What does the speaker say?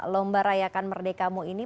lomba rayakan merdekamu ini